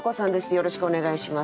よろしくお願いします。